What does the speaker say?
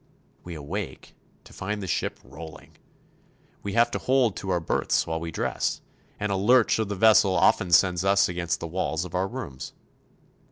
We awake to find the ship rolling. We have to hold to our berths while we dress, and a lurch of the vessel often sends us against the walls of our rooms.